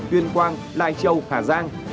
tuyên quang lai châu hà giang